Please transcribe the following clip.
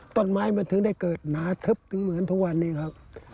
ต้นไม้มันถึงได้เกิดหนาทึบถึงเหมือนทุกวันนี้ครับ